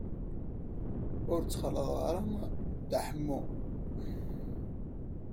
Ur ttxalaḍeɣ ara Dda Ḥemmu.